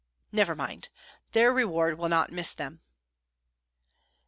Never mind! Their reward will not miss them."